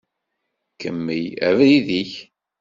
Kemmel abrid-ik.